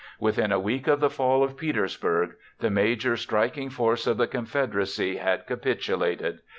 Within a week of the fall of Petersburg the major striking force of the Confederacy had capitulated.